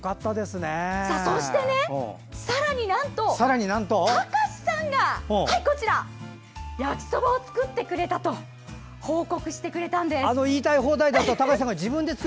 そしてさらに、なんと隆志さんが焼きそばを作ってくれたと報告してくれたんです。